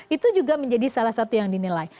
itu juga menjadi salah satu yang dinilai